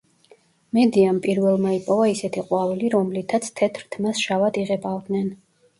მედეამ პირველმა იპოვა ისეთი ყვავილი, რომლითაც თეთრ თმას შავად იღებავდნენ.